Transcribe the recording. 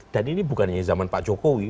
dan ini bukan hanya zaman pak jokowi